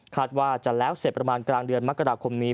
ว่าจะแล้วเสร็จประมาณกลางเดือนมกราคมนี้